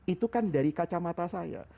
itu kan dari kacamata saya